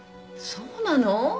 そうなの？